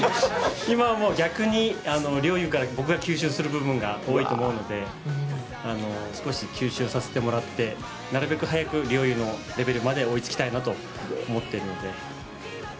今は逆に陵侑から僕が吸収する部分が多いと思うので少し、吸収させてもらってなるべく早く陵侑のレベルまで追いつきたいなと思っているので。